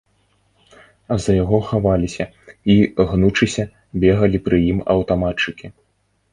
За яго хаваліся і, гнучыся, бегалі пры ім аўтаматчыкі.